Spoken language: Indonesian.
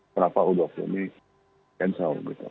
berapa u dua puluh ini cancel gitu